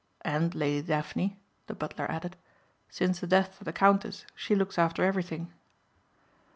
"And Lady Daphne," the butler added. "Since the death of the Countess she looks after everything."